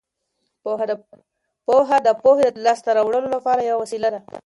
پوهه د پوهې د لاسته راوړلو لپاره یوه وسیله ده.